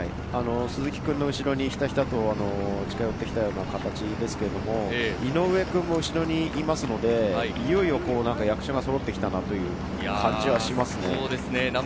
鈴木君の後ろにひたひたと近づいてきたような形ですけど、井上君も後にいますので、いよいよ役者がそろってきたなという感じはしますね。